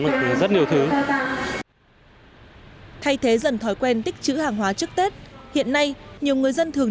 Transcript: một rất nhiều thứ thay thế dần thói quen tích chữ hàng hóa trước tết hiện nay nhiều người dân thường